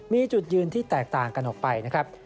มีจุดยืนที่แตกต่างกันออกไปนะครับ